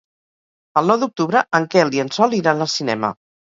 El nou d'octubre en Quel i en Sol iran al cinema.